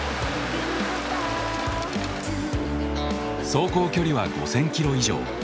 走行距離は５，０００キロ以上。